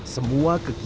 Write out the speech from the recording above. semua kegiatan fungsi